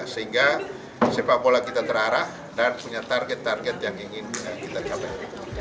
sehingga sepak bola kita terarah dan punya target target yang ingin kita capai